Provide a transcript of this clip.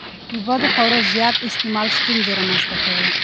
د بدخواړو زیات استعمال ستونزې رامنځته کوي.